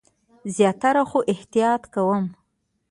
زیاتره، خو احتیاط کوم